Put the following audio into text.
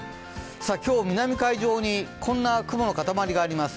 今日、南海上にこんな雲の塊があります。